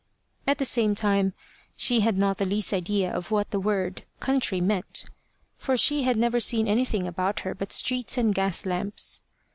At the same time, she had not the least idea of what the word country meant, for she had never seen anything about her but streets and gas lamps.